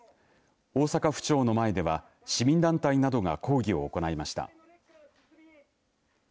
大阪府庁の前では市民団体などが抗議を行いました。